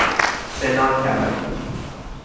شنا کرد